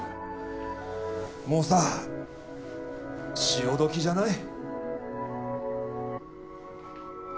もうさ潮時じゃない？